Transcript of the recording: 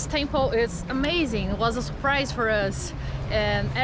tempat ini luar biasa sangat mengejutkan untuk kita